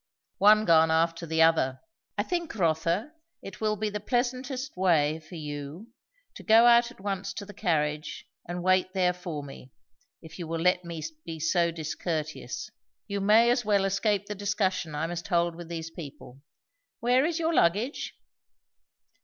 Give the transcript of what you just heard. "One gone after the other. I think, Rotha, it will be the pleasantest way for you, to go out at once to the carriage and wait there for me; if you will let me be so discourteous. You may as well escape the discussion I must hold with these people. Where is your luggage?"